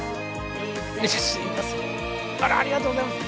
あらありがとうございます。